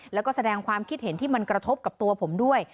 แล้วก็แสดงความคิดเห็นที่มันกระทบกับตัวผมด้วย